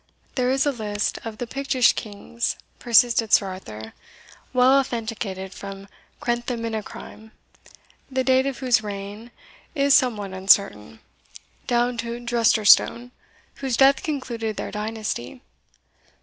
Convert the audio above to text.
"There is a list of the Pictish kings," persisted Sir Arthur, "well authenticated from Crentheminachcryme (the date of whose reign is somewhat uncertain) down to Drusterstone, whose death concluded their dynasty.